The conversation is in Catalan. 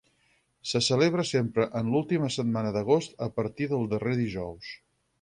Se celebra sempre en l'última setmana d'agost a partir del darrer dijous.